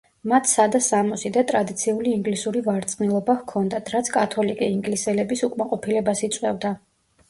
მათ სადა სამოსი და ტრადიციული ინგლისური ვარცხნილობა ჰქონდათ, რაც კათოლიკე ინგლისელების უკმაყოფილებას იწვევდა.